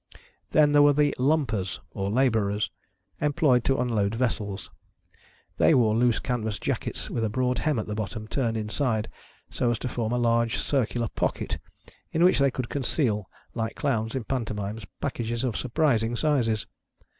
Then there were the Lumpers, or labourers employed to unload vessels. They wore loose canvas jackets with a broad hem in the bottom, turned inside, so as to form a large circular pocket in which they could conceal, like clowns in pantomimes, packages of surprising sizes.